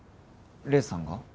黎さんが？